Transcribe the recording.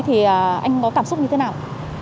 thì anh có cảm xúc như thế nào